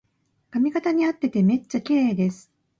髪型にあっててめっちゃきれいです